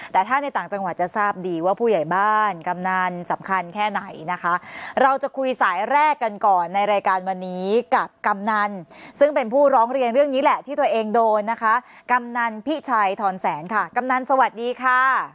แต่ถ้าในต่างจังหวัดจะทราบดีว่าผู้ใหญ่บ้านกำนันสำคัญแค่ไหนนะคะเราจะคุยสายแรกกันก่อนในรายการวันนี้กับกำนันซึ่งเป็นผู้ร้องเรียนเรื่องนี้แหละที่ตัวเองโดนนะคะกำนันพิชัยทอนแสนค่ะกำนันสวัสดีค่ะ